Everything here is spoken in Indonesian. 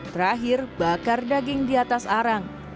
terakhir bakar daging di atas arang